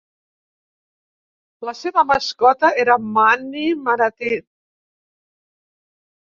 La seva mascota era Manny Manatee.